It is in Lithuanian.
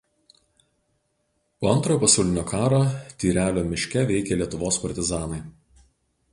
Po Antrojo pasaulinio karo Tyrelio miške veikė Lietuvos partizanai.